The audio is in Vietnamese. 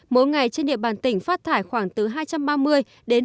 mỗi ngày trên địa bàn tỉnh phát thải khoảng một triệu đồng